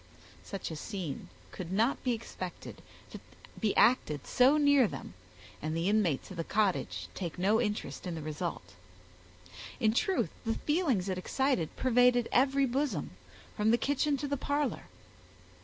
Such a scene could not be expected to be acted so near them, and the inmates of the cottage take no interest in the result. In truth, the feelings it excited pervaded every bosom, from the kitchen to the parlor.